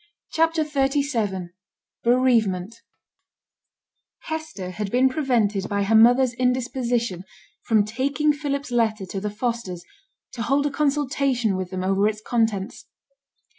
CHAPTER XXXVII BEREAVEMENT Hester had been prevented by her mother's indisposition from taking Philip's letter to the Fosters, to hold a consultation with them over its contents.